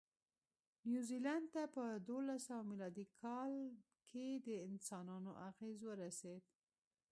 نیوزیلند ته په دوولسسوه مېلادي کې د انسانانو اغېز ورسېد.